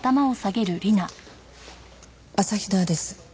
朝日奈です。